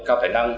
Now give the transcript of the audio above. cao thể năng